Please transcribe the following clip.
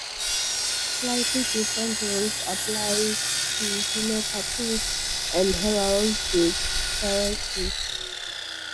Slightly different rules applies to female couples and heraldic heiresses.